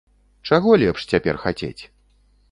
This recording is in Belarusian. Чаго лепш цяпер хацець?